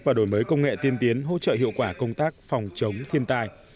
và đổi mới công nghệ tiên tiến hỗ trợ hiệu quả công tác phòng chống thiên tai